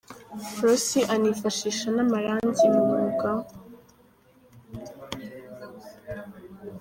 Rossi anifashisha n'amarangi mu mwuga we.